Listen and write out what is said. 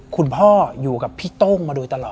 คุณพ่ออยู่กับพี่โต้งมาโดยตลอด